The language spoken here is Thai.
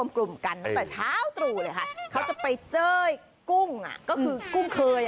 เขาจะไปเจ้ยกุ้งก็คือกุ้งเคย